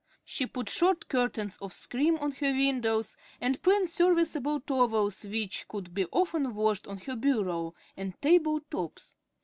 She put short curtains of "scrim" at her windows, and plain serviceable towels which could be often washed on her bureau and table tops.